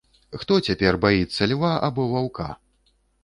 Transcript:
Хто цяпер баіцца льва або ваўка?